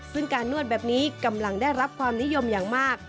ซึ่งการนวดแบบนี้กำลังได้รับความนิยมอย่างมาก